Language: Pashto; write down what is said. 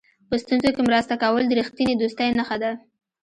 په ستونزو کې مرسته کول د رښتینې دوستۍ نښه ده.